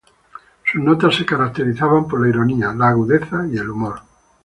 Sus notas se caracterizaban por la ironía, la agudeza y el humor.